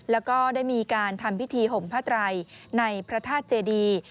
แล้วก็ได้มีการทำพิธีห่มพระไตรในพระธาตุเจดี